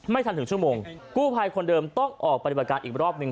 ไม่ทันถึงชั่วโมงกู้ภัยคนเดิมต้องออกปฏิบัติการอีกรอบหนึ่ง